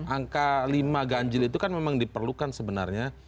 angka lima ganjil itu kan memang diperlukan sebenarnya